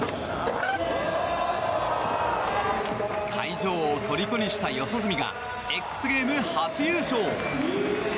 会場をとりこにした四十住がＸＧＡＭＥＳ初優勝。